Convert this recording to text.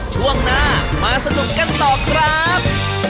ช่วงหน้ามาสนุกกันต่อครับ